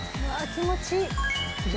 気持ちいい？